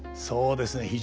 そうですね。